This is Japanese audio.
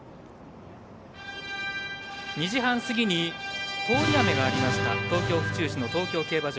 ２時半過ぎに通り雨がありました東京・府中市の東京競馬場。